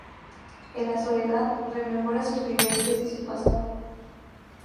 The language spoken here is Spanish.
En la soledad rememora sus vivencias y su pasado.